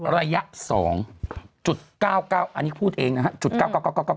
ระยะ๒๙๙อันนี้พูดเองนะครับ